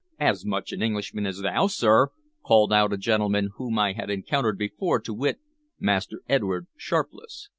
"As much an Englishman as thou, sir!" called out a gentleman whom I had encountered before, to wit, Master Edward Sharpless.